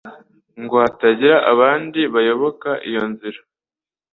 ngo hatagira abandi bayoboka iyo nzira.